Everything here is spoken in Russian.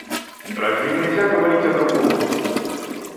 Разве нельзя говорить о другом.